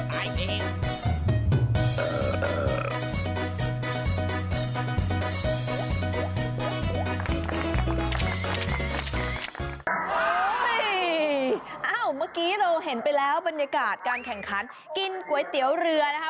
เมื่อกี้เราเห็นไปแล้วบรรยากาศการแข่งขันกินก๋วยเตี๋ยวเรือนะคะ